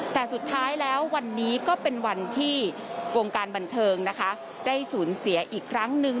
แต่สุดท้ายแล้ววันนี้ก็เป็นวันที่วงการบันเทิงนะคะได้สูญเสียอีกครั้งหนึ่ง